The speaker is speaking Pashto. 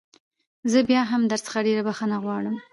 زه بيا هم درڅخه ډېره بخښنه غواړم.